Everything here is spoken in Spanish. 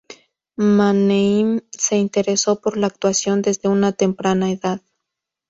Manheim se interesó por la actuación desde una temprana edad.